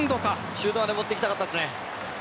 シュートまで持って行きたかったですね。